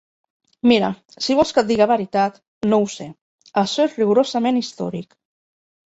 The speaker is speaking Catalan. Mira, si vols que et diga veritat, no ho sé! Açò és rigorosament històric.